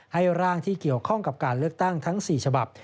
ร่างที่เกี่ยวข้องกับการเลือกตั้งทั้ง๔ฉบับ